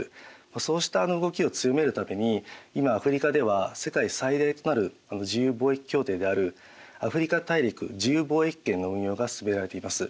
そうした動きを強めるために今アフリカでは世界最大となる自由貿易協定であるアフリカ大陸自由貿易圏の運用が進められています。